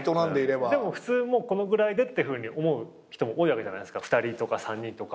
でも普通このぐらいでってふうに思う人も多いわけじゃないですか２人とか３人とか。